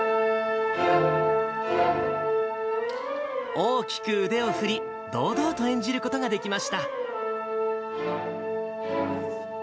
大きく腕を振り、堂々と演じることができました。